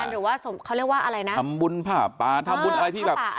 หรือว่าเขาเรียกว่าอะไรนะทำบุญผ้าป่าทำบุญอะไรที่แบบ